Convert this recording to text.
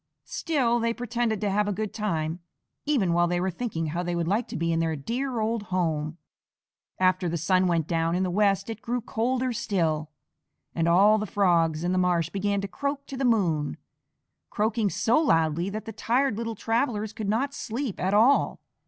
Still they pretended to have a good time, even while they were thinking how they would like to be in their dear old home. After the sun went down in the west it grew colder still, and all the Frogs in the marsh began to croak to the moon, croaking so loudly that the tired little travellers could not sleep at all.